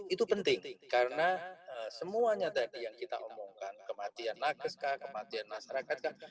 itu penting karena semuanya tadi yang kita omongkan kematian lakuskah kematian masyarakatkah